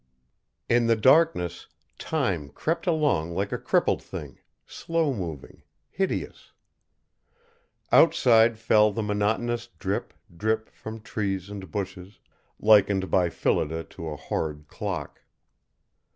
In the darkness Time crept along like a crippled thing, slow moving, hideous. Outside fell the monotonous drip, drip from trees and bushes, likened by Phillida to a horrid clock.